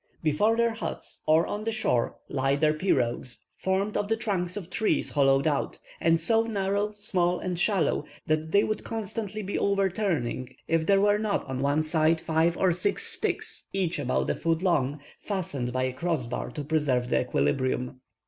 Before their huts, or on the shore, lie their piroques, formed of the trunks of trees hollowed out, and so narrow, small, and shallow, that they would constantly be overturning, if there were not on one side five or six sticks, each about a foot long, fastened by a cross bar to preserve the equilibrium.